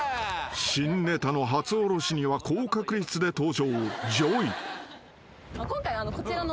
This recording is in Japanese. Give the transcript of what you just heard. ［新ネタの初下ろしには高確率で登場］